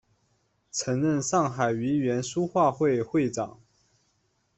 曾任上海豫园书画会会长。